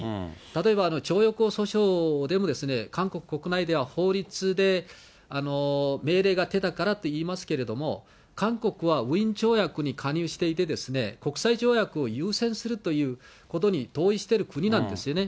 例えば徴用工訴訟でも、韓国国内では法律で命令が出たからといいますけれども、韓国はウィーン条約に加入していて、国際条約を優先するということに同意している国なんですね。